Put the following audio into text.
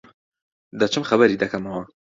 دەچم خەبەری دەکەمەوە.